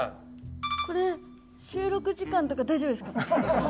これ収録時間とか大丈夫ですか？